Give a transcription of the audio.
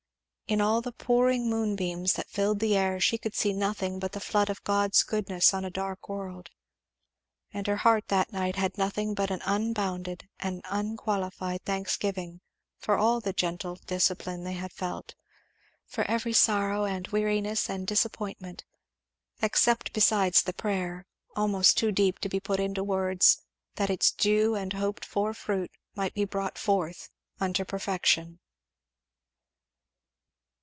In all the pouring moonbeams that filled the air, she could see nothing but the flood of God's goodness on a dark world. And her heart that night had nothing but an unbounded and unqualified thanksgiving for all the "gentle discipline" they had felt; for every sorrow and weariness and disappointment; except besides the prayer, almost too deep to be put into words, that its due and hoped for fruit might be brought forth unto perfection.